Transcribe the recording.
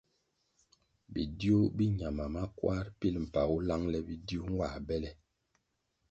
Bidiu bi ñama makwar pilʼ mpagu langʼle bidiu nwā bele.